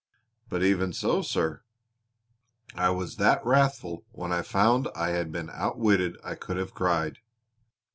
"But even so, sir, I was that wrathful when I found I had been outwitted I could have cried.